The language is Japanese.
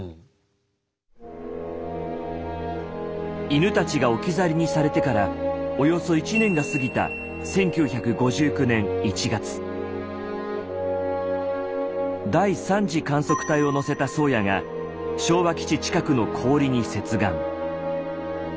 犬たちが置き去りにされてからおよそ１年が過ぎた第３次観測隊を乗せた「宗谷」が昭和基地近くの氷に接岸。